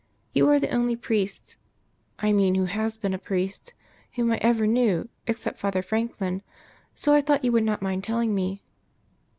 You are the only priest I mean who has been a priest whom I ever knew, except Father Franklin. So I thought you would not mind telling me."